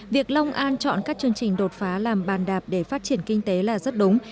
việc long an chọn các chương trình đột phá làm bàn đạp để phát triển kinh tế là rất đúng